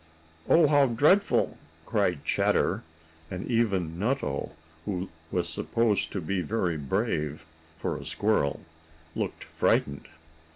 "Oh, how dreadful!" cried Chatter, and even Nutto, who was supposed to be very brave, for a squirrel, looked frightened.